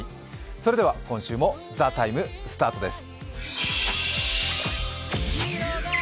それでは今週も「ＴＨＥＴＩＭＥ，」スタートです。